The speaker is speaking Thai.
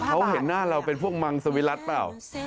เขาเห็นหน้าเราเป็นพวกมังสวิรัติเปล่า